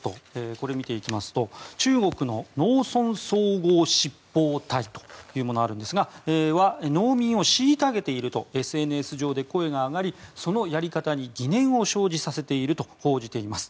これを見ていきますと中国の農村総合執法隊というものは農民を虐げているとＳＮＳ上で声が上がりそのやり方に疑念を生じさせていると報じています。